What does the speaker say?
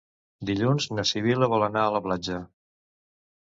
Dilluns na Sibil·la vol anar a la platja.